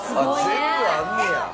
全部あんねんや。